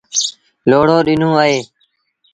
لوڙو ڏيݩوٚن اهي۔